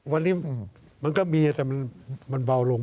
วันนี้มันก็มีแต่มันเบาลง